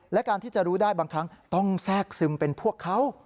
และการที่จะรู้ได้บางครั้งต้องแทรกซึมเป็นพวกเขา